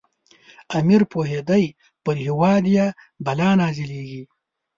امیر پوهېدی پر هیواد یې بلا نازلیږي.